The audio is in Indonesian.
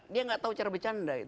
dia nggak tahu cara bercanda